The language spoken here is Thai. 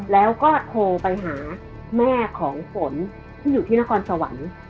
แล้วก็โทรไปหาแม่ของฝนที่อยู่ที่นครสวรรค์